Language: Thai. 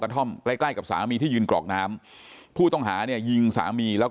กระท่อมใกล้กับสามีที่ยืนกรอกน้ำผู้ต้องหายิงสามีแล้ว